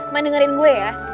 main dengerin gue ya